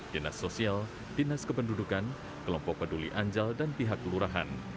dinas sosial dinas kependudukan kelompok peduli anjal dan pihak lurahan